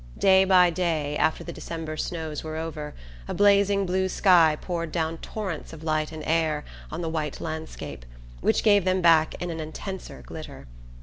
Day by day, after the December snows were over, a blazing blue sky poured down torrents of light and air on the white landscape, which gave them back in an intenser glitter.